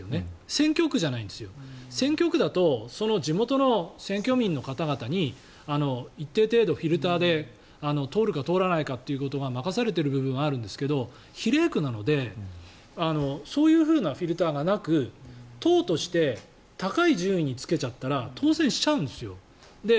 選挙区じゃないんです選挙区だと地元の選挙民の方々に一定程度フィルターで通るか通らないかということが任されている部分があるんですが比例区なのでそういうふうなフィルターがなく党として高い順位につけちゃったら当選しちゃうんですよ。